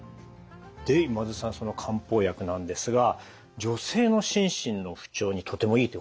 で今津さんその漢方薬なんですが女性の心身の不調にとてもいいということなんですね？